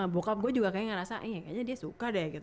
bokap gue juga kayaknya gak rasa iya kayaknya dia suka deh gitu